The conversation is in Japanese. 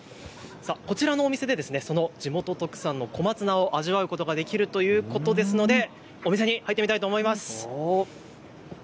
こちらのお店でその地元特産の小松菜を味わうことができるということですのでお店に入ってみたいと思います。